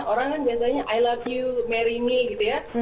orang kan biasanya i love you marine gitu ya